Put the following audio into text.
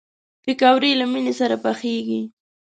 پکورې له مینې سره پخېږي